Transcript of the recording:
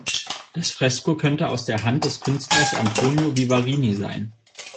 Das Fresko könnte aus der Hand des Künstlers Antonio Vivarini sein.